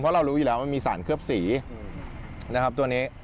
เพราะเรารู้อยู่แล้วมันมีสารเคลือบสีนะครับตัวนี้